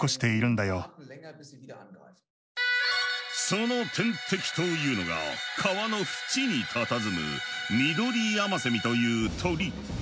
その天敵というのが川のふちにたたずむミドリヤマセミという鳥。